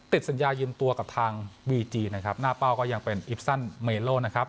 ติดสัญญายืมตัวกับทางบีจีนะครับหน้าเป้าก็ยังเป็นอิปซันเมโลนะครับ